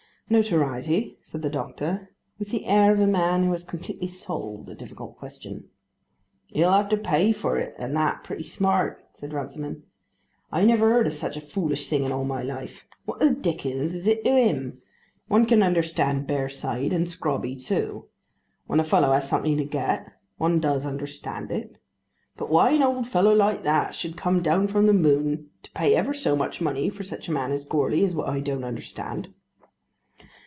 "Notoriety," said the doctor, with the air of a man who has completely solved a difficult question. "He'll have to pay for it, and that pretty smart," said Runciman. "I never heard of such a foolish thing in all my life. What the dickens is it to him? One can understand Bearside, and Scrobby too. When a fellow has something to get, one does understand it. But why an old fellow like that should come down from the moon to pay ever so much money for such a man as Goarly, is what I don't understand."